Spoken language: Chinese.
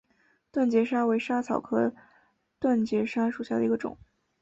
断节莎为莎草科断节莎属下的一个种。